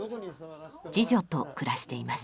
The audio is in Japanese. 次女と暮らしています。